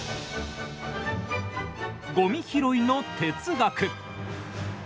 ごみ拾いの哲学。